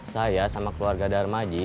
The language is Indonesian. saya sama keluarga darmaji